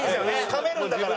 噛めるんだから。